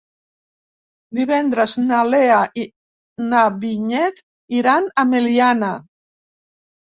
Divendres na Lea i na Vinyet iran a Meliana.